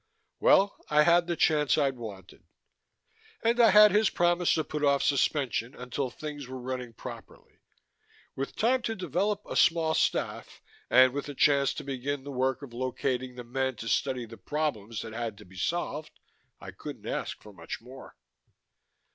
Well, I had the chance I'd wanted. And I had his promise to put off suspension until things were running properly. With time to develop a small staff, and with a chance to begin the work of locating the men to study the problems that had to be solved, I couldn't ask for much more.